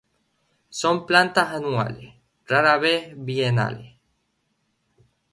Son plantas anuales, rara vez bienales.